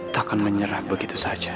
tak akan menyerah begitu saja